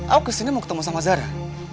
aku ke sini mau ketemu sama zara